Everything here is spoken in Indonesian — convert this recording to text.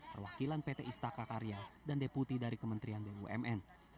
perwakilan pt istaka karya dan deputi dari kementerian bumn